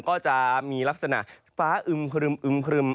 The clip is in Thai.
ก็จะมีลักษณะฟ้าอึมครึมครึม